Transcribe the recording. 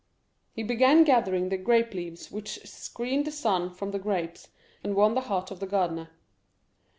He began gathering the grape leaves which screened the sun from the grapes, and won the heart of the gardener.